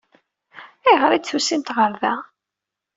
Ayɣer i d-tusamt ɣer da?